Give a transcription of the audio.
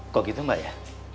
kok gitu mbak ya